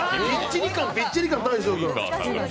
びっちり感、大昇君。